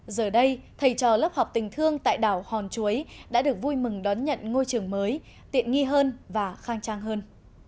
giờ đây thầy trò lớp học tình thương tại đảo hòn chuối đã được vui mừng đón nhận ngôi trường mới tiện nghi hơn và khang trang hơn